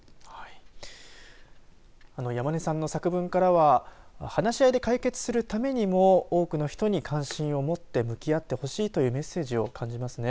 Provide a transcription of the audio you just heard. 山根さんの作文からは話し合いで解決するためにも多くの人に関心を持って向き合ってほしいというメッセージを感じますね。